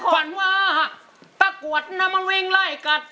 ฝันว่าถ้ากวดน้ำมันวิ่งไล่กัด